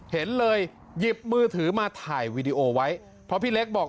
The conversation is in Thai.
เห็นเลยหยิบมือถือมาถ่ายวีดีโอไว้เพราะพี่เล็กบอก